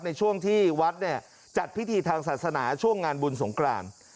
ในช่วงที่วัดเนี่ยจัดพิธีทางศาสนาช่วงงานบุญสงกราน